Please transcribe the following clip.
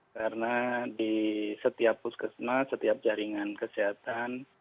karena di setiap puskesma setiap jaringan kesehatan